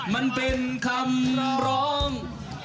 มันเป็นคำร้อง